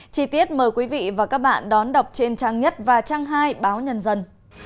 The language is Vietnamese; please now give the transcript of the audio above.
chí tiết mời quý vị và các bạn đón đọc trên trang nhất và trang hai báo nhân dân